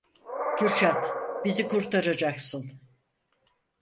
Kürşad, bizi kurtaracaksın!